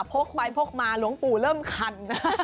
พกไปพกมาหลวงปู่เริ่มคัน